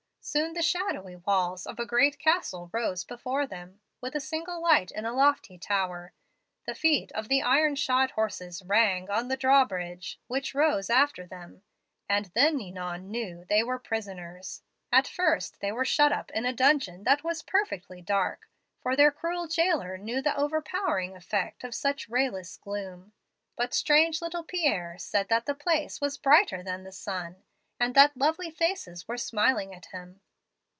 Soon the shadowy walls of a great castle rose before them, with a single light in a lofty tower. The feet of the iron shod horses rang on the draw bridge, which rose after them, and then Ninon knew they were prisoners. At first they were shut up in a dungeon that was perfectly dark, for their cruel jailer knew the overpowering effect of such rayless gloom. But strange little Pierre said that the place was brighter than the sun, and that lovely faces were smiling at him.